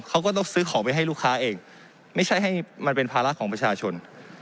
เขาก็ต้องซื้อของไปให้ลูกค้าเองไม่ใช่ให้มันเป็นภาระของประชาชน